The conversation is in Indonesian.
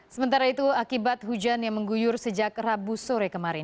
sementara itu akibat hujan yang mengguyur sejak rabu sore kemarin